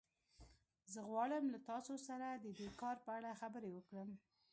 زه غواړم له تاسو سره د دې کار په اړه خبرې وکړم